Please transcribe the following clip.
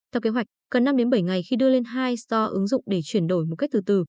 theo kế hoạch cần năm bảy ngày khi đưa lên hai store ứng dụng để chuyển đổi một cách từ từ